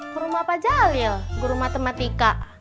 ke rumah pak jalil guru matematika